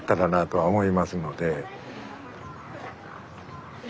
はい。